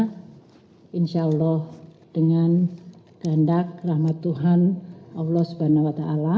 dan saya insya allah dengan gandak rahmat tuhan allah swt